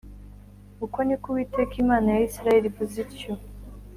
Uku ni ko Uwiteka Imana ya Isirayeli ivuze ityo